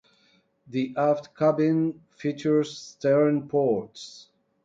The aft cabin features stern ports.